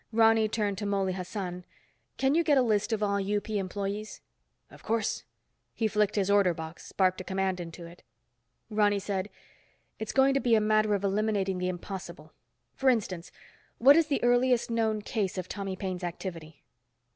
Ronny turned to Mouley Hassan. "Can you get a list of all UP employees?" "Of course." He flicked his order box, barked a command into it. Ronny said, "It's going to be a matter of eliminating the impossible. For instance, what is the earliest known case of Tommy Paine's activity?"